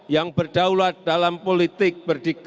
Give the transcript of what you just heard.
yang berdaulat dalam politik berdikari dan berkembang